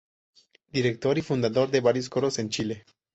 Director y fundador de varios Coros en Chile.